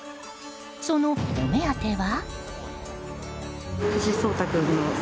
そのお目当ては。